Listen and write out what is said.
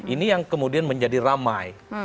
ini yang kemudian menjadi ramai